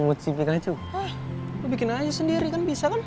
lo bikin aja sendiri kan bisa kan